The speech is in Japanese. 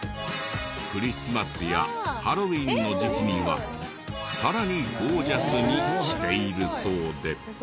クリスマスやハロウィーンの時期にはさらにゴージャスにしているそうで。